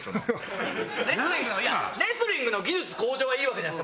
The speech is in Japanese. レスリングの技術向上はいいわけじゃないですか